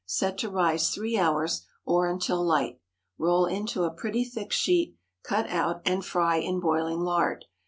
Set to rise three hours, or until light; roll into a pretty thick sheet, cut out, and fry in boiling lard.